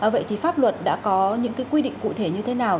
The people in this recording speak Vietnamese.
vậy thì pháp luật đã có những quy định cụ thể như thế nào